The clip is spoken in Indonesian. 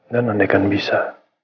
dan andaikan bisa